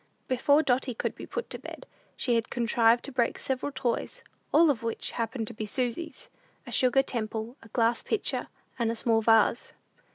Before Dotty could be put to bed, she had contrived to break several toys, all of which happened to be Susy's a sugar temple, a glass pitcher, and a small vase.